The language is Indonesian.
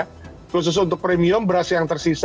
khusus untuk premium beras yang tersisa